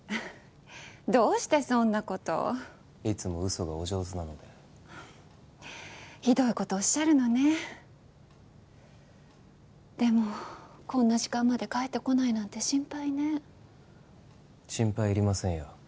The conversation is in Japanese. どうしてそんなこといつも嘘がお上手なのでひどいことおっしゃるのねでもこんな時間まで帰ってこないなんて心配ね心配いりませんよ